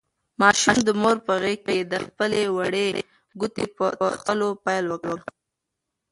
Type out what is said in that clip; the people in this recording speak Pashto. ماشوم د مور په غېږ کې د خپلې وړې ګوتې په څټلو پیل وکړ.